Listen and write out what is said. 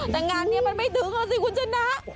แต่งานนี้มันไม่ถึงเอาสิคุณชนะ